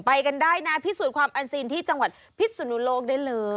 ไปกันได้นะพิสูจน์ความอันซีนที่จังหวัดพิษสุนุโลกได้เลย